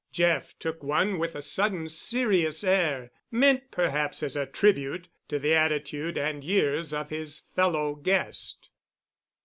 Jeff took one with a sudden serious air, meant perhaps as a tribute to the attitude and years of his fellow guest.